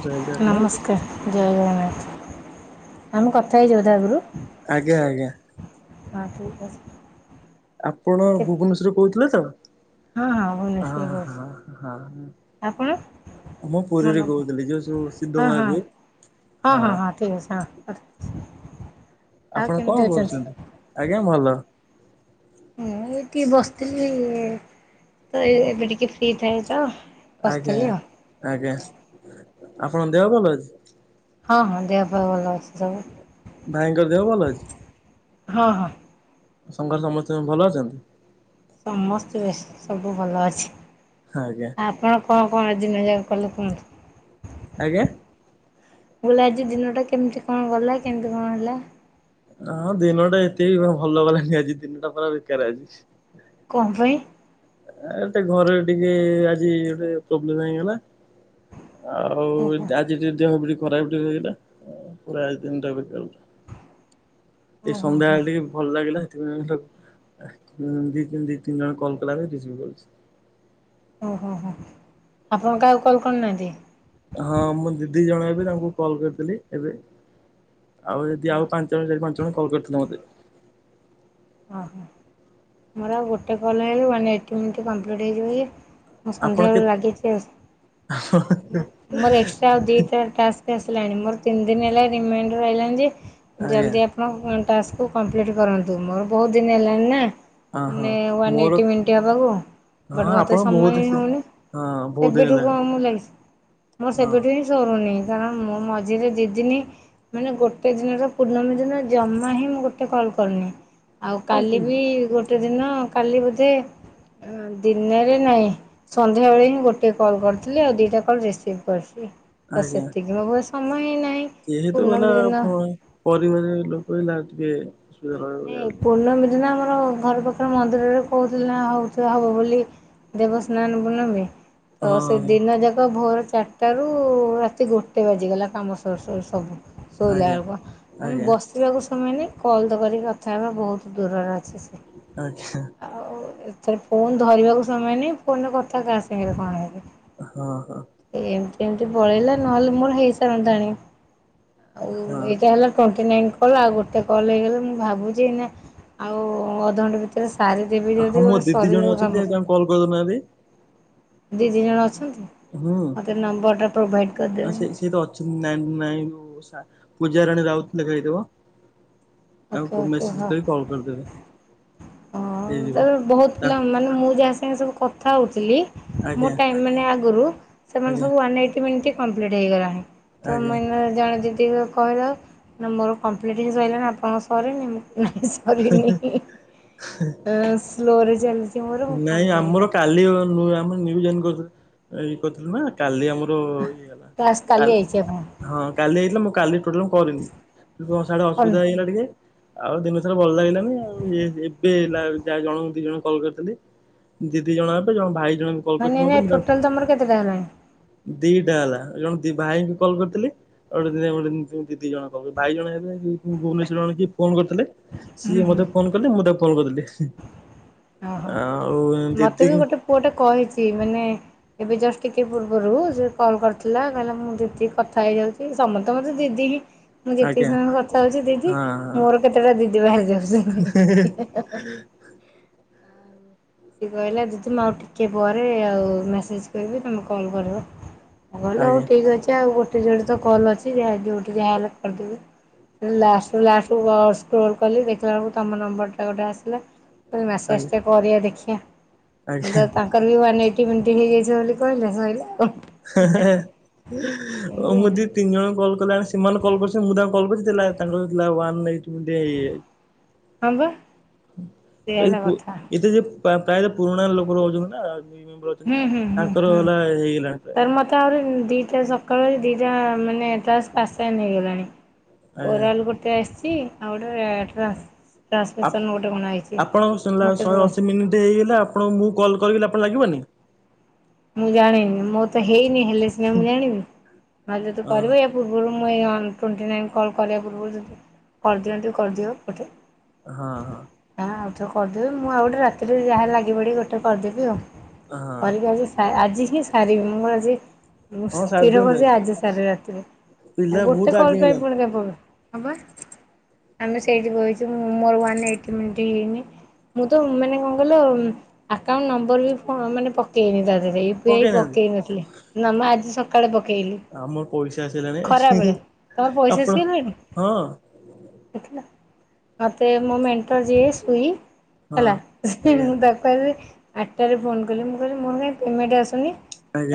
ଜୟ ଜଗନ୍ନାଥ ନମସ୍କାର। ଜୟ ଜଗନ୍ନାଥ ଆମେ କଥା ହେଇଛେ ବୋଧେ ଆଗରୁ? ଆଜ୍ଞା ଆଜ୍ଞା। ହଁ ଠିକ୍ ଅଛି। ଆପଣ କେ ଭୁବନେଶ୍ୱର କହୁଥିଲେ ତ। ହଁ ହଁ ହଁ ଭୁବନେଶ୍ୱର ହଁ କହୁଛି ହଁ ଆପଣ ହଁ। ମୁଁ ପୁରୀରେ ମନକୁ କହୁଥିଲି ଯୋଉ ସବୁ ସିଦ୍ଧ ହଁ ହଁ ମହାବୀର। ହଁ ହଁ ହଁ ଠିକ୍ ଅଛି ହଁ। ଆଉ ଆପଣ କେମିତି କଣ ଅଛନ୍ତି? କରୁଛନ୍ତି ଆଜ୍ଞା ଭଲ। ହଁ ଏଇଟି ବସିଥିଲି ତ ଏବେ ଟିକେ ଫ୍ରି ଥାଏ ତ। ଆଜ୍ଞା ବସିଥିଲି ଆଉ ଆଜ୍ଞା ଆପଣଙ୍କ ଦେହ ଭଲ ଅଛି? ହଁ ହଁ ଦେହପା ଭଲ ଅଛି। ସବୁ ଭୟଙ୍କର ଦେହ ଭଲ ଅଛି? ହଁ ହଁ। ସଙ୍ଗରେ ସମସ୍ତେ ଭଲ ଅଛନ୍ତି? ସମସ୍ତେ ସବୁ ଭଲ ଅଛି। ଆଜ୍ଞା। ଆପଣ କଣ କଣ ଦିନ ଯାକ କଲେ କୁହନ୍ତୁ? ଆଜ୍ଞା। ମୁଁ ଆଜି ଦିନଟା କେମିତି କଣ ଗଲା କେମିତି କଣ ହେଲା? ହଁ ଦିନଟା ଏତେ ଭଲ ଗଲାଣିି ଆଜି ଦିନଟା ପୁରା ବେକାର ଆଜି। କଣ ପାଇଁ? ଏଟ ଘରେ ଟିକେ ଆଜି ଗୋଟେ ପ୍ରୋବ୍ଲେମ ହେଇ ଗଲା। ଆଉ ଓହୋ ଆଜି ଟିକେ ଦେହ ବି ଟିକେ ଖରାପ ଟିକେ ହେଇଗିଲା ପୁରା ଆଜି ତିନିଟା ଭିତ ଏଇ ଓହୋ ହୋ ସନ୍ଧ୍ୟାବେଳେ ଟିକେ ଭଲ ଲାଗିଲା ସେଥିପାଇଁ [unintelligible] ଦି ତିନି ଜଣ କଲ କଲାଯେ ରିସିଭ କରୁଛି। ଓହୋ ହୋ ଆପଣଙ୍କ କାହାକୁ କଲ୍ କରୁ ନାହାନ୍ତି? ହଁ ମୁଁ ଦିଦି ଜଣ ଏବେ ତାଙ୍କୁ କଲ୍ କରିଥିଲି ଏବେ। ଆଉ ଯଦି ଆଉ ପାଞ୍ଚ ଜଣ ଚାରି ପାଞ୍ଚ ଜଣ କଲ କରିଥିଲା ମତେ। ଓହୋ ମୋର ଆଉ ଗୋଟେ କଲ୍ ହେଲେ ୱାନ୍ ଏଇଟି ମିଣ୍ଟି କମ୍ପ୍ଲିଟ୍ ହେଇଯିବ ଯେ ମୁଁ ଆପଣ ସନ୍ଧ୍ୟାବେଳ କେତେ ଲାଗିଛି ଆଉ ମୋ ମୋର ଏକ୍ସଟ୍ରା ଆଉ ଦିଟା ଟାସ୍ ଆସିଲାଣି ମୋର ତିନି ଦିନ ହେଲା ରିମାଇଣ୍ଡର ଆଇଲାଣି ଯେ ଆଜ୍ଞା ଜଲିଦି ଆ ଆପଣ ଫୋନ ଟାସ୍କକୁ କମ୍ପ୍ଲିଟ କରନ୍ତୁ ମୋର ବହୁତ ଦିନ ହେଲାଣିିନା। ହଁ ହଁ ମାନେ ୱନ ମୋର ଏଇଟି ମିନିଟ ହବାକୁ। ହଁ ବଟ୍ ମତେ ଆପଣ ବହୁତ ସମୟ ସେ ହଉନି ହଁ ବହୁତ ଦିନ ସେବେଠୁ ହେଲାଣି କଣ ମୁଁ ଲାଗିଚ ମୋର ହଁ ସେବେଠୁ ହିଁ ସରୁନି କାରଣ ମୁଁ ମଝିରେ ଦିଦିନି ମାନେ ଗୋଟେ ଦିନର ପୂର୍ଣ୍ଣମୀ ଦିନ ଜମା ହିଁ ମୁଁ ଗୋଟେ କଲ୍ କରିନି। ଆଉ କାଲି ବି ଗୋଟେ ଦିନ କାଲି ବୋଧେ ଉଁ ଦିନରେ ନାହିଁ। ସନ୍ଧ୍ୟାବେଳେ ହିଁ ଗୋଟେ କଲ୍ କରିଥିଲି ଆଉ ଦିଇଟା କଲ୍ ରିସିଭ କରିଛି। ତ ଆଜ୍ଞା ସେତିକି ମୋ ଭୟ ସମୟ ହେଇନାହିଁ। ଯେହେତୁ ହେଲା ପ-ପରିବାର ଲୋକ ହେଲା ଟିକେ ଅସୁବିଧା ରହିବ ନାଇ ବୋଲି। ପୂର୍ଣ୍ଣମୀ ଦିନ ଆମର ଘର ପାଖରେ ମନ୍ଦିରରେ କହୁଥିଲେ ନା ହଉଥ ହବ ବୋଲି ଦେବସ୍ନାନ ପୂର୍ଣ୍ଣମୀ ତ ସେ ହଁ। ଦିନ ଯାକ ଭୋର ଚା ଟାରୁ ରାତି ଗୋଟେ ବାଜିଗଲା କାମ ସରୁ ସରୁ ସବୁ ଶୋଇଲା ଆଜ୍ଞା ବେଳକୁ ମାନେ ଆଜ୍ଞା ବ ସିବାକୁ ସମୟ ନାହିଁ କଲ୍ ତ କରିକି କଥା ହେବା ବହୁତ ଦୂରରେ ଅଛି। ସେ ଆଚ୍ଛା। ଆଉ ଏଥର ଫୋନ୍ ଧରିବାକୁ ସମୟ ନାହିଁ ଫୋନରେ କଥା କା ସାଙ୍ଗରେ କଣ ହେଲେ ହଁ ହଁ। ଏମିତି ଏମତି ପଳେଇଲା ନହେଲେ ମୋର ହେଇ ସାରନ୍ତାଣି ଏ ହଁ। ଏଇଟା ହେଲା ଟ୍ୱେଣ୍ଟି ନାଇନ୍ କଲ୍ ଆଉ ଗୋଟେ କଲ୍ ହେଇଗଲେ ମୁଁ ଭାବୁଛି ନା ଆଉ ଅଧଘଣ୍ଟା ଭିତରେ ସାରି ଦେବି ଯଦି ଗୋଟେ ସରିବ କାମ। କଲ କରୁ ନାହାନ୍ତି। ଦିଦି ଜଣେ ଅଛନ୍ତି ହୁଁ। ମୋତେ ନମ୍ବରଟା ପ୍ରୋଭାଇଡ଼୍ କରିଦେବେ। ନାଇଁ ନାଇଁ [unintelligible] ପୂଜାରାଣୀ ରାଉତ ଲେଖା ହେଇଥିବ। ଓକେ ଆଉ ଓକେ ମେସେଜ ହଁ। କରି କଲ କରି ଦେବେ। ହଁ ତା ବହୁତ ପିଲା ମାନେ ମୁଁ ଯାହା ସାଙ୍ଗେ ସବୁ କଥା ହଉଥିଲି। ମୋ ଆଜ୍ଞା ଟାଇମ୍ ମାନେ ଆଗରୁ ସେମାନେ ଆଜ୍ଞା ୱାନ୍ ଏଇଟ୍ ମିନିଟ୍ କମ୍ପିଲଟ ହେଇଗଲାଣି। ତ ଆଜ୍ଞା। ମୁଁ ଏନା ଜଣେ ଦିଦିକୁ କହିଲ ନା ମୋର କମ୍ପ୍ଲିଟ ହେଇ ସାରିଲାନି ଆପଣଙ୍କ ସରିନି। ମୁଁ କହିଲି ନାଇଁ ସରିନି। ହେଁ। ଏ ସ୍ଲୋରେ ଚାଲଚ୍ ନାଇଁ ଆମର କାଲି ଓ ଅ ଆମେ ନିୟୁ ଜଏନ କରିଲୁ। ଏଇ କଥା ନା କାଲି ଆମର ଇଏ ହେଲା। ଟ୍ୟାକ୍ସ କାଲି ଆଇଚି ଆପ ହଁ କାଲି ଆଇଥିଲା ମୁଁ କାଲି ଟୋଟାଲ ମୁଁ କରିନି। ତୁମ ସାଡେ କଣ ଅସୁବିଧା ହେଇଗଲା ଟିକେ। ଆଉ ଦିନ ସାରା ଭଲ ଲାଗିଲାନି ଆଉ ଇଏ ଏବେ ଲା ଯା ଜଣଙ୍କୁ ଦି ଜଣ କଲ କରିଥିଲି। ଦିଦି ଜଣେ ହେବେ ଜଣେ ଭାଇ ଜଣେ ବି କଲ ମାନେ କରିଥିଲେ ଏଇନା ମତେ। ମୁଁ ତାକ୍ ଟୋଟାଲ୍ ତମର କେତେଟା ହେଲାଣି ଦିଟା ହେଲା ଜଣେ ଦି ଭାଇଙ୍କୁ କଲ୍ କରିଥିଲି। ଆଉ ଗୋଟେ ଦି ଆଉ ଗୋଟେ ଦିଦି ଜଣକ ପାଖକୁ ଭାଇ ଜଣେ ହେବେ ଏ [unintelligible] ଭୁବନେଶ୍ୱର ରୁ ଜଣେ କିଏ ଫୋନ କରିଥିଲେ। ହୁଁ ସିଏ ହୁଁ ମତେ ଫୋନ କଲେ ମୁଁ ତାକୁ କଲ୍ କରିଦେଲି। ଆଉ ଦିଦି ପୁଅ ଟେ କହିଚି ମାନେ ଏବେ ଜଷ୍ଟ ଟିକେ ପୂର୍ବରୁ ସେ କଲ୍ କରିଥିଲା କହିଲା ମୁଁ ଯେତିକି କଥା ହେଇଯାଉଚ୍ ଇ ସମସ୍ତେ ମତେ ଦିଦି ହିଁ ମୁଁ ଯେତିକି ଆଜ୍ଞା। ସମୟ କଥା ହଉଚି ଦିଦି ହଁ ହଁ ମୋର କେତେଟା ଦିଦି ବାହାରି ଯାଉଚନ୍ତି। ସିଏ କହିଲା ଦିଦି ମୁଁ ଆଉ ଟିକେ ପରେ ଆଉ ମେସେଜ୍ କରିବି ତୁମେ କଲ୍ କରିବ। ମୁଁ କହିଲି ହଉ ଆଜ୍ଞା ଠିକ ଅଛି ଆଉ ଗୋଟେ ଯୋଡେ ତ କଲ୍ ଅଛି ଯା ଯୋଉଠି ଯାହା ହେଲେ କରିଦେବି। ଲାଷ୍ଟରୁ ଲାଷ୍ଟକୁ ଅ ସ୍କ୍ରୋଲ୍ କଲି ଦେଖିଲା ବେଳକୁ ତମର ନମ୍ବରଟା ଗୋଟେ ଆସିଲା। ମୁଁ କହିଲି ଆଜ୍ଞା ମେସେଜଟେ କରିବା ଦେଖିବା। ଉଁ ଆଜ୍ଞା। ଦ ତାଙ୍କ କଲି ୱାନ୍ ଏଇଟି ମିିନିଟ ହେଇ ଯାଇଚି ବୋଲି କହିଲେ ସଇଲା ଆଉ। ହେଁ ହେଁ ହେଁ ଓ ଏମିତି ମୁଁ ଦି ତିନି ଜଣଙ୍କୁ କଲ କଲା ବେଳେ ସେମାନେ କଲ କରିଚନ୍ତି ମୁଁ ତାଙ୍କୁ କଲ କରିଚି ଦେଖିଲା ତାଙ୍କର ଦେଖିଲା ୱାନ ଏଇଟି ମିନିଟ୍ ହେଇଯାଇଚି। ହଁ ପା। ଏଇ ପ ଏତେ ଯେ ପା ପ୍ରାୟତ ପୁରୁଣା ଲୋକ ରହୁଚନ୍ତି ନା। ନିୟୁ ମେମ୍ବର ଅ ଅଛନ୍ତି ନା ତାଙ୍କର ହେଲା ହେଇଗଲାଣି। ପ୍ରାୟ ତାର୍ ମୋତେ ଆହୁରି ଉଁ ଦିଇଟା ସକାଳ ଓଳେ ଦୁଇଟା ମାନେ ଟାସ୍କ ଆସାଇନ୍ ହେଇଗଲାଣି। ଆଜ୍ଞା ଓରାଲ ଗୋଟେ ଆସିଛି। ଆଉ ଗୋଟାରେ ଟ୍ରାନ୍ସ ଆପ ଟ୍ରାନ୍ସମିସନ୍ ଗୋଟେ କଣ ଆଇଛି। ଆପଣଙ୍କର ଶୁଣିଲା ମୁଁ କେବେ ଶହେ ଅଶି ମିନିଟ୍ ହେଇଗଲା ଆପଣଙ୍କୁ ମୁଁ କଲ୍ କରିବି ଆପଣ ଲାଗିବନି? ମୁଁ ଜାଣିନି ମୋର ତ ହେଇନି ହେଲେ ସିନା ମୁଁ ଜାଣିବି। ନ ହେଲେ ତୁ ହଁ କରିବୁ ଏ ପୂର୍ବରୁ ମୁଁ ଏଇ ଅନ୍ ଟ୍ୱେଣ୍ଟି ନାଇନ୍ କଲ୍ କରିବା ପୂର୍ବରୁ ଯଦି କରିଦିଅନ୍ତୁ କରିଦିଅ ଗୋଟେ। ହଁ ହଁ। ଯାହା ଆଉ ଚ କରିଦେବି ମୁଁ ଆଉ ଗୋଟେ ରାତିରେ ଯାହା ଲାଗି ପଡି ଗୋଟେ କରିଦେବି ଆଉ। କରିକି ହଁ ଆଜି ସା ଆଜି ହିଁ ସାରିବି। ମୁଁ ଆଜି ମୁଁ ହଁ ସାରି ସ୍ଥିର ଦିଅନ୍ତୁ କରିୁଚି ଆଜି ସାରିବି ରାତିରେ। ପିଲା ଆଉ ବହୁତ ଗୋଟେ କଲ ଆଗେଇ ପାଇଁ ଗଲାଣି ପୁଣି କାଇଁ ପ ହଁ ପା ଆମେ ସେଇଠି ବଇଚୁ ମୋର ୱାନ ଏଇଟି ମିନିଟ୍ ହେଇନି। ମୁଁ ତ ମାନେ କଣ କହିଲ ଆକାଉଣ୍ଟ ନମ୍ବର ବି ଫୋ ମାନେ ପକେଇନି ତା ଧିରେ ୟୁ ପି ଆଇ ପକେଇନାହାନ୍ତି ପକେଇ ନଥିଲି। ନା ମ ଆଜି ସକାଳେ ପକେଇଲି। ଆମ ପଇସା ଆସିଗଲାଣି ଖରା ହିଁ ବେଳେ ହିଁ ତମର ପଇସା ଆପ ଆସିଗଲାଣି ହଁ। ଦେଖିଲ ମୋତେ ମୋ ମେଣ୍ଟର ଯିଏ ସୁଇ ହେଲା ହଁ ଆଜ୍ଞା ମୁଁ ତାକୁ କହିଲି ଆଟ୍ ଟାରେ ଫୋନ କଲି ମୁଁ କହିଲି ମୋର କାଇଁ ପେମେଣ୍ଟ ଆସୁନି?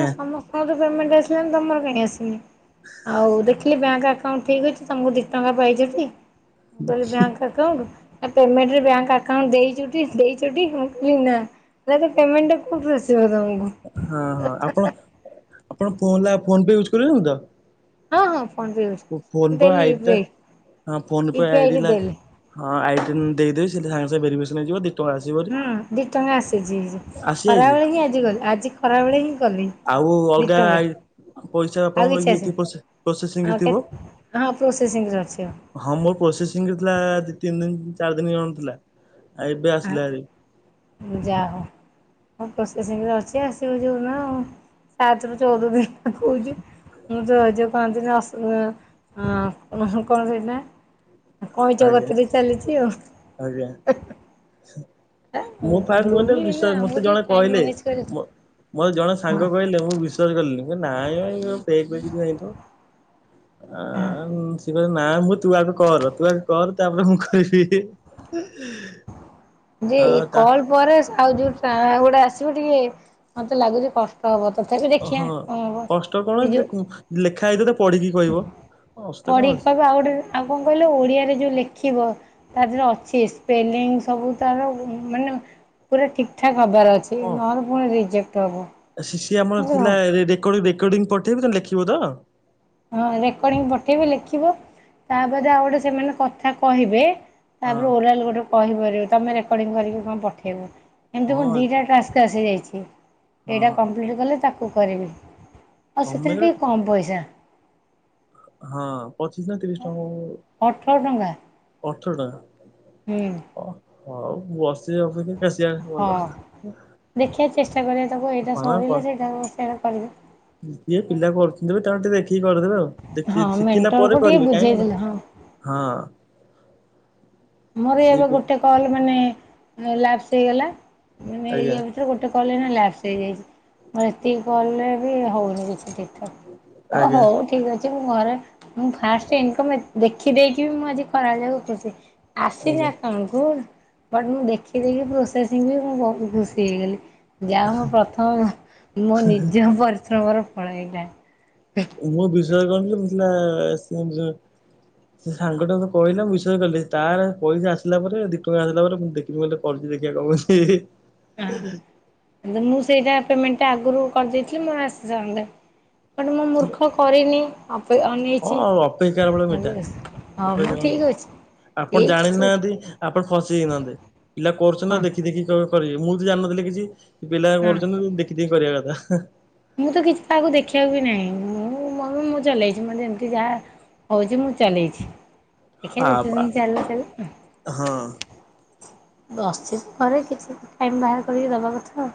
ନା ସମସ୍ତଙ୍କର ତ ପେମେଣ୍ଟ ଆସିଲାଣି ତମର କାଇଁ ଆସିନି? ଆଉ ଦେଖିଲେ ବ୍ୟାଙ୍କ ଆକାଉଣ୍ଟ ଠିକ ଅଛି। ତମକୁ ଦି ଟଙ୍କା ପାଇଚ ଟି। ମୁଁ କହିଲି ବ୍ୟାଙ୍କ ଆକାଉଣ୍ଟ ନା ପେମେଣ୍ଟରେ ବ୍ୟାଙ୍କ୍ ଆକାଉଣ୍ଟ ଦେଇଚୁଟି ଦେଇଚ ଟି ମୁଁ କହିଲି ନାଁ। ନାଁ ତ ପେମେଣ୍ଟଟା କୋଉଠୁ ଆସିବ ତମୁ ହଁ ହଁ ଆପଣ ଆପଣ ଫୋନ ଲା ଫୋନ ପେ ୟୁଜ୍ କଲେଣି ତ? ହଁ ହଁ ଫୋନ ପେ ୟୁଜ୍‌ ମୋ ଫୋନ୍ ପେ ଆଇ ଟା ହଁ ଫୋନ ପେ ଆଇ ଡି ୟୁପିଆଇରେ ହେଲା ଦେଲି ହଁ ଆଇ ଡି ଟା ମୁଁ ଦେଇଦେବି ସେ ତ ସାଙ୍ଗେ ସାଙ୍ଗେ ଭେରିିଫିକେସନ ହେଇଯିବ ଦି ଟଙ୍କା ଆସିବହାରି ହୁଁ ଦି ଟଙ୍କା ଆସିଚି ଆସିଯାଇଛି ଖରାବେେଳେ ହିଁ ଆଜି ଗଲି ଆଜି ଖରାବେଳେ ହିଁ କଲି। ଆଉ ଅଲଗା ଆଇ ଆଉ ପଇସା ଆଉ ଆପଣଙ୍କର କିଛି ଇଏ ଆସି ଥିବ ସେ ପ୍ରୋସେସିଂରେ ଆଉ କେ ଥିବ। ହଁ ପ୍ରୋସେସିଂରେ ଅଛି ହଁ ମୋର ପ୍ରୋସେସିଂ ରେ ଥିଲା-ଆ-ଆ ଦି ତିନି ଦିନ ଚାରି ଦିନ କଣ ଥିଲା ଏବେ ଆସିଲା ହାରି। ଉଁ ଯା ହଉ। ଆଉ ପ୍ରୋସେ ସିଂ ରେ ଅଛି ଆସିବ ଯୋଉ ଦିନ-ଅ-ଅ ସାତ ରୁ ଚଉଦ ଦିନ କହୁଚି। ମୁଁ ଯୋଉ ଆ ଯୋଉ କହନ୍ତିନି ଆସ ଅଁ-ଅ-ଅ ହ କଣ ସେଇଟା? କଇଁଚ ଆଜ୍ଞା ଗତିରେ ଚାଲିଛି ଆଉ। ଆଜ୍ଞା ସେ ମୁଁ ଫାଷ୍ଟ ମାନେ ଗୃହିଣୀ ନା ବିଶ୍ୱାସ ଆମକୁ ମତେ ଟିକେ ଜଣେ ଟାଇମ୍ କହିଲେ ମ୍ୟାନେଜ୍ କରି ମ ମତ୍‌ ଜଣେ ସାଙ୍ଗ କହିଲେ ମୁଁ ବିଶ୍ଵାସ କଲିିନି ମୁଁ କହିଲି ନାଇଁ ମ-ଅ-ଅ-ଅ ଫେକ୍ ପେକ୍ କିଛି ହେଇଥବ। ହଁ। ଆଁ-ଆ-ଆନ୍ ସେ କହିଲେ ନାଁ ମୁଁ ତୁ ଆଗ କର ତୁ ଆଗ୍ କର ତାପରେ ମୁଁ ଖ। ଯେ ଏ କଲ ପରେ ସ ଆଉ ଯୋଉ ଟ୍ରା ଆଉ ଗୋଟେ ଆସିବ ଟିକେ ମତେ ଲାଗୁଚି କଷ୍ ଟ ହେବ ତଥାପି ଦେଖିବା ହଁ କଁ ହବ କଷ୍ଟ କଣ ଏ ଯୋଉ--୍ ଲେଖା ହେଇଥିବ ତାକୁ ପଢିକି କହିବ ଅସ୍ତ କ ପଢିକି ଅଛି। କହିବ ଆଉ ଗୋଟେ ଆଉ କଣ କହିଲ ଓଡିଆରେ ଯୋଉ ଲେଖିବ ତା ଧେରେ ଅଛି ସ୍ପେଲିଙ୍ଗ ସବୁ ତାର ମ୍ ମାନେ ପୁରା ଠିକ ଠାକ୍ ହବାର ଅଛି। ଠିକ ହଁ ନହେବ ପୁଣି ରିଜେକ୍ଟ ହବ। ସି ସି ଆମର ମୁଁ ଥିଲା ରେ ରେକର୍ଡିଂ ରେକଡିଂ ପଠେଇବେ ତମେ ଲେଖିବ ତ? ହଁ ରେକର୍ଡିଙ୍ଗ ପଠେଇବେ ଲେଖିବ ତାପରେ ଆଉ ଗୋଟେ ସେମାନେ କଥା କହିବେ ହଁ ତାପରେ ଓରାଲ ଗୋଟେ କହିପାରିବେ ତମେ ରେକର୍ଡିଗଂ କରିକି କଣ ପଠେଇବ। ଏମତି ମୁଁ ହଁ ଦିଇଟା ଟାସ୍କ ଆସିଯାଇଛି ଏଇଟା ହଁ କମ୍ପ୍ଲିଟ୍ କଲେ ତାକୁ କରିବି। ଆ ତମେ ସେଥିରେ ଟିକେ କମ୍ ପଇସା। ହଁ ପଚିଶ ନା ତିରିଶ ଟଙ୍କା କ [unintelligible] ଅଠର ଟଙ୍କା। ଅଠର ଟଙ୍କା? ହୁଁ। ଅ ହଉ ବସିବା ଅପେକ୍ଷା କାଶିବା ଭଲ। ଦେଖିଆ ଚେଷ୍ଟା କରିଆ ତାକୁ ଏଇଟା ହଁ କ ସରିଲେ ସେଇଟା [unintelligible] କରିବି। କିଏ ପିଲା କରୁଥିବେ ତାଙ୍କଠୁ ଟିକେ ଦେଖିକି କରିଦେବେ ଆଉ ଦେଖି ହଁ ଶିଖିଲା ମେଣ୍ଟରକୁ ପରେ ଟିକେ କରିବେ କାହିଁକିନା ବୁଝେଇଦେଲେ ହଁ। ହଁ। ମୋର ସିଏ ଏବେ ବି ଗୋଟେ କଲ୍ ମାନେ ଅ ଲାପସ ହେଇଗଲା ମାନେ ଆଜ୍ଞା ଇଏ ଭି ତରୁ ଗୋଟେ କଲ ଏଇନା ଲାପସ ହେଇଯାଇଛି ମୁଁ ଏତିକି କଲରେ ବି ହଉନି କିଛି। ଏତିକି ତ ଅ ଆଜ୍ଞା ହଉ ଠିକ ଅଛି ମୁଁ ଘରେ ମୁଁ ଫାଷ୍ଟ ଇନକମ ଏ ଦେଖ୍ ଖି ଦେଇକି ବି ମୁଁ ଆଜି ଖରାବେଳ ଯାକ ଖୁସି ଆସି ନି ଆଜ୍ଞା ଆକାଉଣ୍ଟ୍ କୁ ବଟ୍ ମୁଁ ଦେଖିଦେଲି ପ୍ରୋସେସିଂ ରେ ମୁଁ ବହୁତ ଖୁସି ହେଇଗଲି। ଯାହା ହଉ ପ୍ରଥମ ମୋ ମୋ ନିଜ ପରିଶ୍ରମର ଫଳ ଏଇଟା। ମୁଁ ବିଶ୍ଵାସ କରୁ ନ ଥିଲି ମୁଁ କହିଲି ଆ-ଆ-ଆ-ଆ ଆସିବନି ଯଦ୍ ସେ ସାଙ୍ଗ ଟା ମତେ କହିଲା ମୁଁ ବିଶ୍ଵାସ କଲିିନି ତାର ପଇସା ଆସିଲା ପରେ ଦିଇ ଟଙ୍କା ଆସିଲା ପରେ ମୁଁ ଦେଖ୍ ମୁଁ ଏଇଟା କରୁଚି ଦେଖିଆ କଁ ହଉଚି ହି। ଯଦି ମୁଁ ସେଇଟା ପେମେଣ୍ଟଟା ଆଗରୁ କରିଦେଇଥିଲି ମୋର ଆସି ସାରନ୍ତାଣି ବଟ ମୁଁ ମୂର୍ଖ କରିନି ଆପ କୁ ଅନେଇଛି ହଁ ଅପେକ୍ଷାର ଫଳ ମିଠା [unintelligible] ହଁ ମ ଅପେକ୍ଷାର ଠିକ୍ ଅଛି ଆପଣ ଠିକ୍ ଜାଣିି ଅଛି ନାହାନ୍ତି ଆପଣ ଫସିଯାଇନାହାନ୍ତେ ପିଲା କରୁଛନ୍ତି ନା ହଁ ଦେଖି ଦେଖି କର୍ କରିବେ ମୁଁ ତ ଜାଣିନଥିଲି କିଛି ପିଲା ହଁ କରୁଛନ୍ତି ଦେଖି ଦେଖି କରିବା କଥା। ମୁଁ ତ କିଛି କାହାକୁ ଦେଖିବାକୁ ବି ନାହିଁ ମୁଁ ମ ମୁଁ ଚଲେଇଛି ମତେ ଯେମିତି ଯାହା ହଉଛି ମୁଁ ଚଲେଇଛି ଦେଖିବା ଆ ଯେତେ ଦିନ ଚାଲିବ ଚାଲୁ। ହଁ। ବସିଛି ତ ଘରେ କିଛି ଟାଇମ୍ ବାହାର କରିକି ଦେବା କଥା।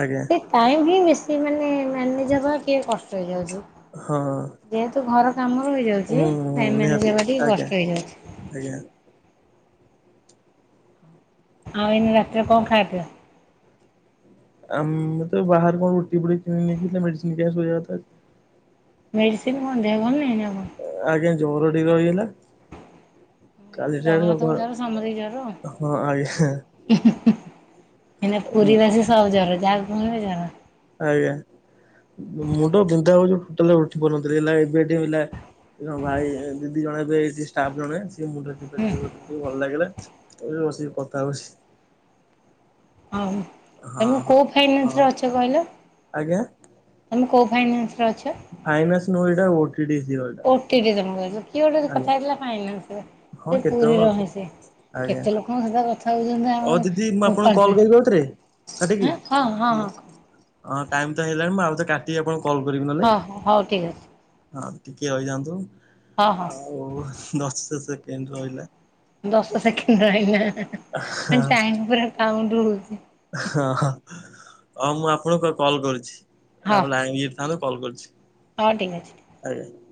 ଆଜ୍ଞା। କାଇଁକି ମିଶି ମାନେ ମ୍ୟାନେଜ ହେବା କିଏ କଷ୍ଟ ହେଇଯାଉଛି। ହଁ। ଯେହେତୁ ଘର କାମ ରହି ଯାଉଛି ହୁଁ ହୁଁ ନିହାତି ମ୍ୟାନେଜ ହବା ଟିକେ ଆଜ୍ଞା କଷ୍ଟ ହେଇଯାଉଛି। ଆଜ୍ଞା। ଆଉ ଏଇନେ ରାତିରେ କଣ ଖାଇବା ପିଇବା? ଆମେ ତ ବାହାରେ କଣ ରୁଟି ଫୁଟି କିିନି ନେଇକି ମେଡିସିନ ଖାଇ ଶୋଇବା କଥା। ମେଡ଼ିସିନ କଣ ଦେହଭଲ ନାହିଁ ନାଁ କଣ? ଆଜ୍ଞା ଜର ଟିକେ ରହିଗଲା। କହିଲି କାଲି ସାର ଜଗନ୍ନାଥଙ୍କୁ ଜର ସଖାଳ ହଁ ଆଜ୍ଞା। ଏଇନେ ପୁରୀ ବାସୀ ସବୁ ଜର ଯାହାକୁ ଶୁଣିଲେ ଜର। ଆଜ୍ଞା ମୁଣ୍ଡ ବିନ୍ଧା ହଉଛି ଟୋଟାଲ ଉ ବୁଲୁନଥିଲି ହେଲା ଏବେ ଟିକେ ହେଲା ଭାଇ ଦିଦି ଜଣେ ଏବେଷ୍ଟାପ ଜଣେ ସେ ମୁଣ୍ଡରେ ଯିବା ହୁଁ ଯି ଟିକେ ଭଲ ଲାଗିଲା ବସିକି କଥା ହଉଛି। ହଁ ହଁ ତମେ ହଁ। କଉ ହଁ ଫାଇନାନ୍ସ ରେ ଅଛ କହିଲ? ଆଜ୍ଞା ତମେ କଉ ଫାଇନାନ୍ସରେ ଅଛ? ଫାଇନାନ୍ସ ନୁହଁ ଏଇଟା ଓଟି ଡି [inaudible] ସି [inaudible] କିଏ ଗୋଟେ କଥା ହେଇଥିଲା ଫାଇନାନ୍ସ ର ହଁ ସେ କେତେ ଜଣ ପୁରୀର ଅଛ ହିଁ ସେ ଆଜ୍ଞା କେତେ ଲୋକ ମ ସହିତ କଥା କହୁଛନ୍ତି ଆ ହଉ ଦିଦି ମୁଁ ଆପଣଙ୍କୁ କଲ୍ କରଦେ କରିବି ଆଉଥରେ କାଟିକି। ଆଁ ହଁ ହଁ ହଁହଁ। ହଁ ଟାଇମ ତ ହେଇଲାଣି ମୁଁ ଆଉ ତ କାଟିକି ଆପଣଙ୍କୁ କଲ୍ କରିବି ନହେଲେ। ହଁ ହଁ ହଉ ଠିକ୍ ଅଛି ହଁ ଟିକେ ରହିଯାଆନ୍ତୁ ହଁ ହଁ ଆଉ ଦଶ ସେକେଣ୍ଡ ରହିଲା। ଦଶ ସେକେଣ୍ଡ ରହିଲା ଟାଇମ ପୁରା କାଉଣ୍ଟ ହଉଚି। ହଁ ହଁ ମୁଁ ହଁ ଆପଣଙ୍କୁ କଲ୍ କରୁଛି ହଁ ଆପଣଲାଇନରେ ଥାନ୍ତୁ କଲ୍ କରୁଛି। ହଉ ଠିକ୍ ଅଛି। ଆଜ୍ଞା।